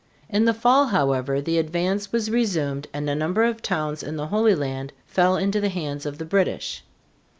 In the fall, however, the advance was resumed and a number of towns in the Holy Land fell into the hands of the British.